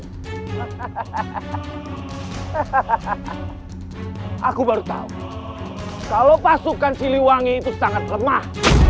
hahaha aku baru tahu kalau pasukan siliwangi itu sangat lemah